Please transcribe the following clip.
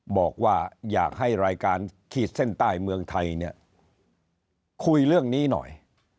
บอกว่าอยากให้รายการขีดเส้นใต้เมืองไทยเนี่ยคุยเรื่องนี้หน่อย